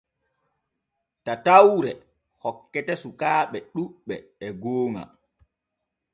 Tatawre hokkete sukaaɓe ɗuuɓɓe e gooŋa.